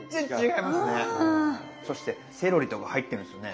そしてセロリとか入ってるんですよね。